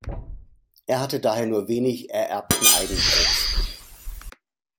Er hatte daher nur wenig ererbten Eigenbesitz.